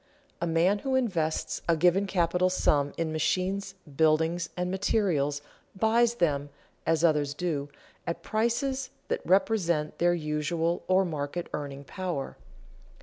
_ A man who invests a given capital sum in machines, buildings, and materials buys them, as others do, at prices that represent their usual, or market, earning power.